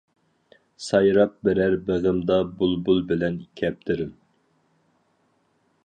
سايراپ بىرەر بېغىمدا بۇلبۇل بىلەن كەپتىرىم.